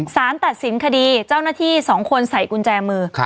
สารตัดสินคดีเจ้าหน้าที่๒คนใส่กุญแจมือ